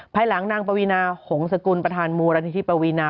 ภายหลังนางปวีนาหงษกุลประธานมูลนิธิปวีนา